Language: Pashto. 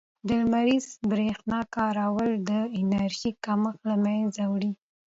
د لمریزې برښنا کارول د انرژۍ کمښت له منځه وړي.